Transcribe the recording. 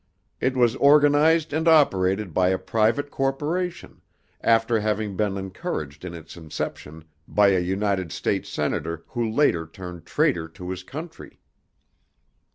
It was organized and operated by a private corporation after having been encouraged in its inception by a United States Senator who later turned traitor to his country.